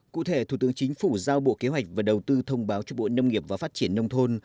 cụ thể thủ tướng chính phủ giao bộ kế hoạch và đầu tư thông báo cho bộ nông nghiệp và phát triển nông thôn